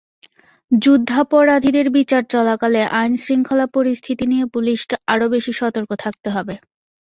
যুদ্ধাপরাধীদের বিচার চলাকালে আইনশৃঙ্খলা পরিস্থিতি নিয়ে পুলিশকে আরও বেশি সতর্ক থাকতে হবে।